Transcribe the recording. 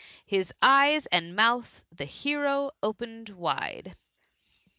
175 * His eyes and mouth the hero open'd wide.'